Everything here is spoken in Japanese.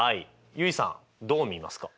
結衣さんどう見ますか？